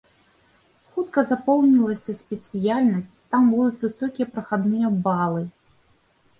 Хутка запоўнілася спецыяльнасць, там будуць высокія прахадныя балы.